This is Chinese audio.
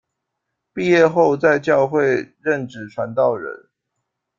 毕业后在教会任职传道人。